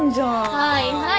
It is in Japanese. はいはい。